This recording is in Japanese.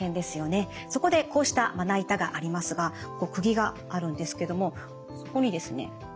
そこでこうしたまな板がありますがくぎがあるんですけどもそこにですね